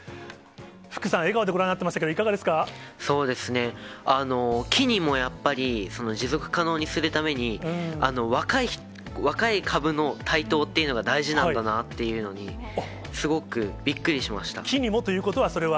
福さん、笑顔でご覧になっていまそうですね、木にもやっぱり持続可能にするために、若い株の台頭っていうのが大事なんだなっていうのに、すごくびっ木にもということは？